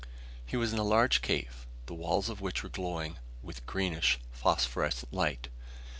He was in a large cave, the walls of which were glowing with greenish, phosphorescent light.